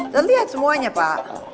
terlihat semuanya pak